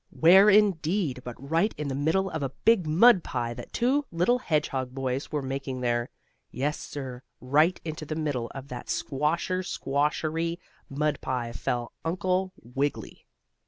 Where, indeed, but right in the middle of a big mud pie that two little hedgehog boys were making there. Yes, sir, right into the middle of that squasher squawshery mud pie fell Uncle Wiggily.